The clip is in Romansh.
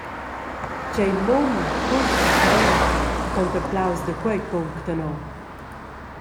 Tgei mund tut different, contemplaus da quei punct anora.